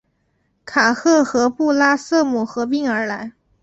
卡赫和布拉瑟姆合并而来。